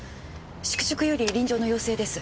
宿直より臨場の要請です。